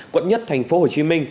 quận nhất tp hcm